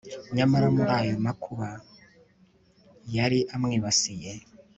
nyamara muri ayo makuba yari amwibasiye